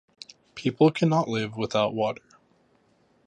People cannot live without water.